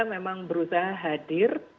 memang berusaha hadir